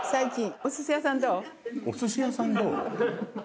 「お寿司屋さんどう」？